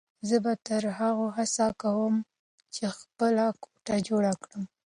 زه به تر هغو هڅه کوم چې خپله کوټه جوړه کړم.